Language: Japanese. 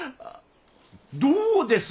どうです！